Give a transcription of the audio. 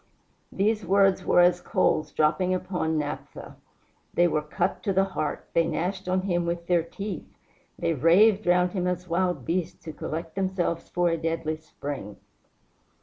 These words were as coals dropping upon naphtha. They were cut to the heart; they gnashed on him with their teeth; they raved round him as wild beasts who collect themselves for a deadly spring.